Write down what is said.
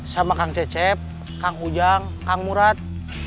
sama kang cecep kang ujang kang murad